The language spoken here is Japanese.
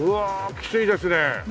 きついですね。